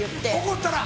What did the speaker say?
怒ったら。